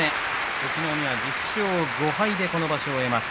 隠岐の海は１０勝５敗で今場所を終えます。